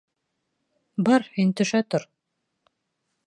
— Бар, һин төшә тор.